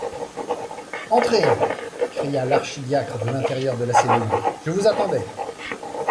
Entrez! cria l’archidiacre de l’intérieur de la cellule, je vous attendais.